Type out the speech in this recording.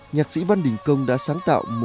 nhạc sĩ văn đình công đã sáng tạo